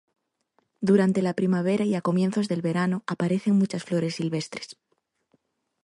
Durante la primavera y a comienzos del verano, aparecen muchas flores silvestres.